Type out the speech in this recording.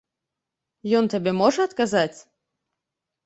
Ён табе можа адказаць?